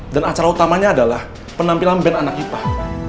dan acara utamanya adalah penampilan band anak hipah